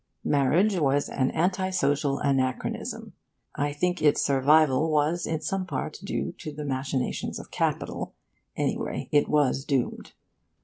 Marriage was an anti social anachronism. I think its survival wasin some part due to the machinations of Capital. Anyway, it was doomed.